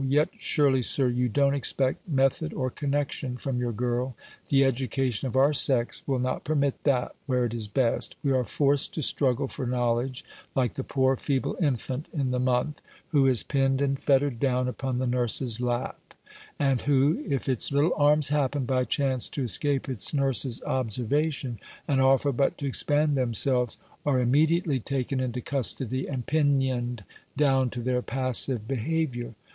Yet surely, Sir, you don't expect method or connection from your girl. The education of our sex will not permit that, where it is best. We are forced to struggle for knowledge, like the poor feeble infant in the month, who is pinned and fettered down upon the nurse's lap; and who, if its little arms happen, by chance, to escape its nurse's observation, and offer but to expand themselves, are immediately taken into custody, and pinioned down to their passive behaviour.